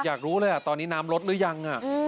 อยากรู้เลยตอนนี้น้ำลดหรือยัง